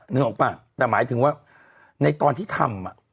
นึกออกป่ะแต่หมายถึงว่าในตอนที่ทำ